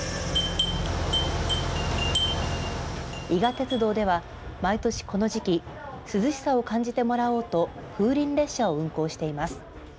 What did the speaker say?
伊賀鉄道では、毎年この時期涼しさを感じてもらおうと風鈴列車を運行しています。